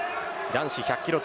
男子１００キロ